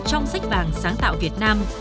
trong sách vàng sáng tạo việt nam